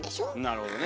なるほどね。